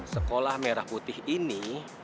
sekolah merah putih ini